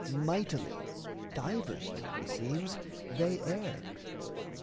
Mightily, diversly, meseems they err.